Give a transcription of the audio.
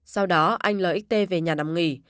sau đó anh lxt về nhà nằm nghỉ